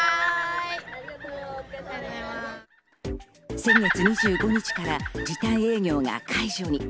先月２５日から時短営業が解除に。